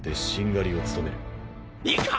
いいか！